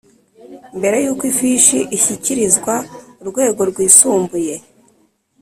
Mbere y uko ifishi ishyikirizwa urwego rwisumbuye